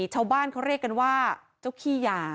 ชาวบ้านเขาเรียกกันว่าเจ้าขี้ยา